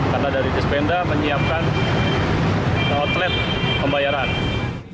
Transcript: karena dari dispenda menyiapkan outlet pembayaran